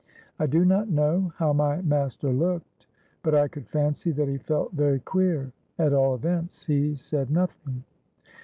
—I do not know how my master looked, but I could fancy that he felt very queer: at all events, he said nothing.